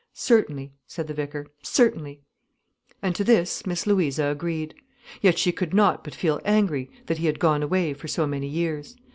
"Certainly," said the vicar. "Certainly." And to this Miss Louisa agreed. Yet she could not but feel angry that he had gone away for so many years.